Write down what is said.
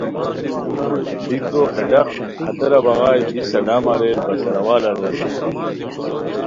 بیکو ہے ڈاق ہتیرا بغائے بی سلام اریر بشاروال اریر